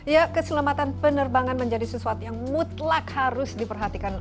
ya keselamatan penerbangan menjadi sesuatu yang mutlak harus diperhatikan